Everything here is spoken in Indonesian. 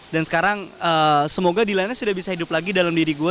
dan sekarang semoga dilan nya sudah bisa hidup lagi dalam diri gue